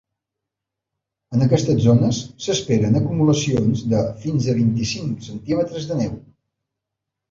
En aquestes zones s’esperen acumulacions de fins vint-i-cinc centímetres de neu.